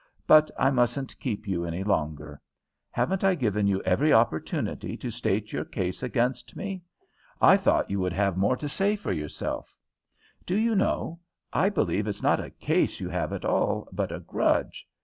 But I mustn't keep you any longer. Haven't I given you every opportunity to state your case against me? I thought you would have more to say for yourself. Do you know, I believe it's not a case you have at all, but a grudge.